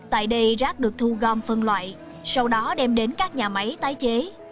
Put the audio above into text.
tại đây rác được thu gom phân loại sau đó đem đến các nhà máy tái chế